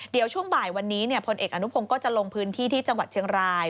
เดี๋ยวช่วงบ่ายวันนี้พลเอกอนุพงศ์ก็จะลงพื้นที่ที่จังหวัดเชียงราย